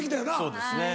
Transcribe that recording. そうですね。